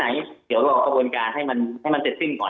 เดี๋ยวเราออกกระบวนการให้มันเจ็ดสิ้นก่อน